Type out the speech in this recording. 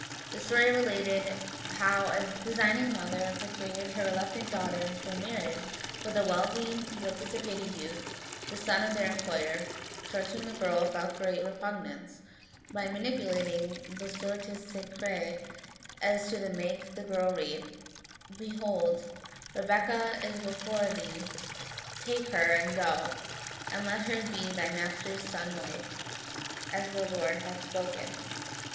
The story related how a designing mother persuaded her reluctant daughter into a marriage with a wealthy but dissipated youth, the son of their employer, towards whom the girl felt great repugnance, by manipulating the Sortes Sacrae so as to make the girl read, " Behold, Rebekah is before thee, take her, and go, and let her be thy master's son's wife, as the Lord hath spoken."